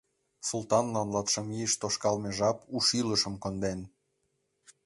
Султанлан латшым ийыш тошкалме жап у шӱлышым конден.